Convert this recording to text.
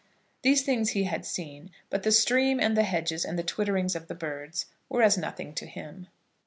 These things he had seen, but the stream, and the hedges, and the twittering of the birds, were as nothing to him.